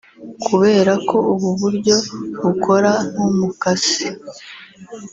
Kuberako ubu buryo bukora nk'umukasi